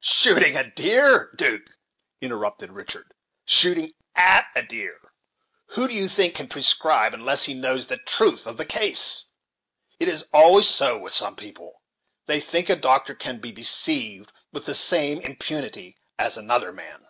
"Shooting at a deer, 'Duke," interrupted Richard "shooting at a deer. Who do you think can prescribe, unless he knows the truth of the case? It is always so with some people; they think a doctor can be deceived with the same impunity as another man."